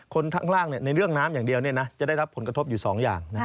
คนข้างล่างในเรื่องน้ำอย่างเดียวจะได้รับผลกระทบอยู่๒อย่าง